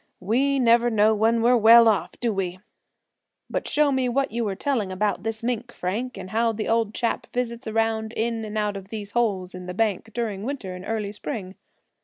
We never know when we're well off, do we? But show me what you were telling about this mink, Frank; and how the old chap visits around in and out of these holes in the bank during the winter and early spring."